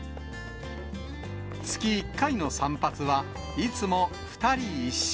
月１回の散髪は、いつも２人一緒。